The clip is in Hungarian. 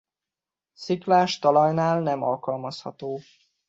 Sziklás talajnál nem alkalmazható.